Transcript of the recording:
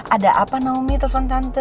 ada apa naomi telepon tante